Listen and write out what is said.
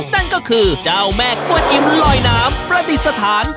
นั่นก็คือเจ้าแม่กวนอิ่มลอยน้ำประดิษฐาน